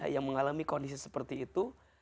yang mengalami kondisi seperti itu